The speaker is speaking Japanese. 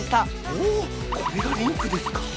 ほぉこれがリンクですかぁ。